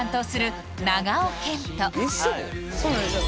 そうなんですよ